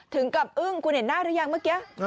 ถึงกับอึ้งคุณเห็นหน้าหรือยังเมื่อกี้